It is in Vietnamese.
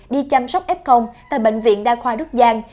đi chăm sóc f tại bệnh viện đa khoa đức giang